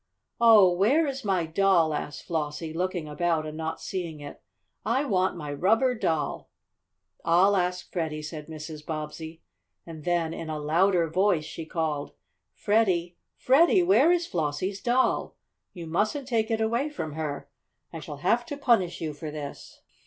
"Oh, where is my doll?" asked Flossie, looking about and not seeing it. "I want my rubber doll!" "I'll ask Freddie," said Mrs. Bobbsey, and then, in a louder voice, she called: "Freddie! Freddie! Where is Flossie's doll? You mustn't take it away from her. I shall have to punish you for this!"